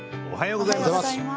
おはようございます。